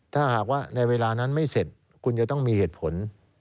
ถ้าหากว่าในเวลานั้นไม่เสร็จคุณจะต้องมีเหตุผล